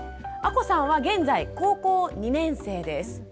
亜子さんは現在高校２年生です。